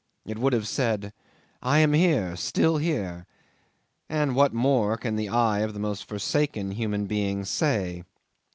It would have said, "I am here still here" ... and what more can the eye of the most forsaken of human beings say?